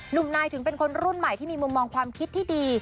หนุ่มนายถึงเป็นคนรุ่นใหม่ที่มีมุมมองความคิดที่ดี